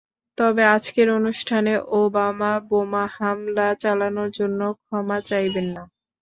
তবে আজকের অনুষ্ঠানে ওবামা বোমা হামলা চালানোর জন্য ক্ষমা চাইবেন না।